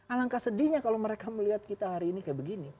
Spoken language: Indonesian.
alangkah sedihnya kalau mereka melihat kita hari ini kayak begini